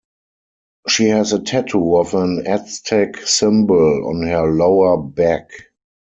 She has a tattoo of an Aztec symbol on her lower back.